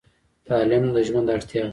تعلیم د ژوند اړتیا ده.